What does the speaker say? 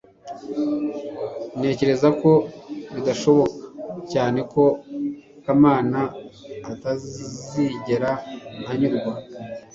ntekereza ko bidashoboka cyane ko kamana atazigera anyurwa